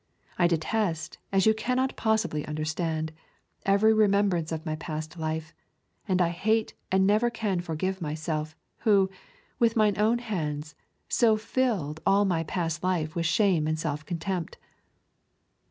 I detest, as you cannot possibly understand, every remembrance of my past life, and I hate and never can forgive myself, who, with mine own hands, so filled all my past life with shame and self contempt.